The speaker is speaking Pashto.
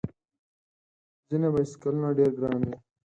ځینې بایسکلونه ډېر ګران وي.